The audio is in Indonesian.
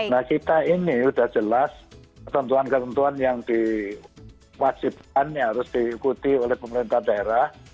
nah kita ini sudah jelas ketentuan ketentuan yang diwajibkan harus diikuti oleh pemerintah daerah